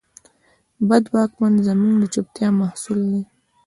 بد واکمن زموږ د چوپتیا محصول دی.